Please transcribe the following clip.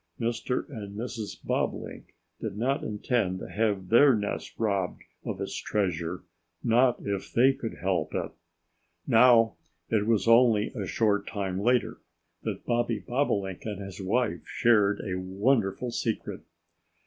Mr. and Mrs. Bobolink did not intend to have their nest robbed of its treasure not if they could help it! Now, it was only a short time later that Bobby Bobolink and his wife shared a wonderful secret.